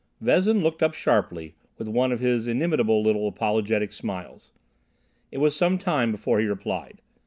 Vezin looked up sharply with one of his inimitable little apologetic smiles. It was some time before he replied.